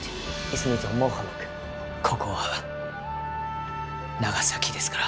ここは長崎ですから。